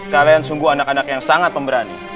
kalian sungguh anak anak yang sangat pemberani